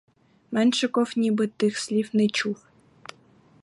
Меншиков ніби тих слів не чув.